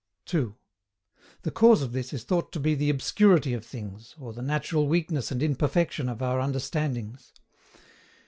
2. The cause of this is thought to be the obscurity of things, or the natural weakness and imperfection of our understandings.